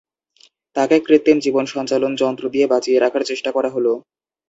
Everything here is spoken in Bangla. তাকে কৃত্রিম জীবন সঞ্চালন যন্ত্র দিয়ে বাঁচিয়ে রাখার চেষ্টা করা হলো।